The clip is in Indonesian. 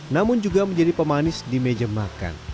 namun juga menjadi pemanis di meja makan